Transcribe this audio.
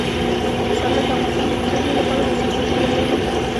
پسرلی د افغانستان د ټولنې لپاره بنسټيز رول لري.